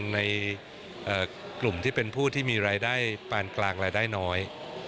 ในกลุ่มที่เป็นผู้ที่มีรายได้ปานกลางรายได้น้อย